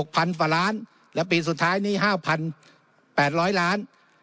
พันกว่าล้านและปีสุดท้ายนี้๕๘๐๐ล้าน